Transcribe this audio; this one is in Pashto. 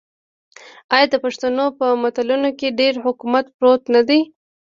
آیا د پښتنو په متلونو کې ډیر حکمت پروت نه دی؟